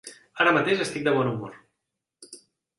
Ara mateix estic de bon humor.